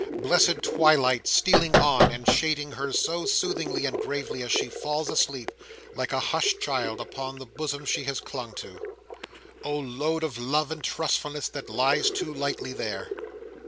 Blessed twilight stealing on, and shading her so soothingly and gravely, as she falls asleep, like a hushed child, upon the bosom she has clung to! Oh load of love and trustfulness that lies to lightly there!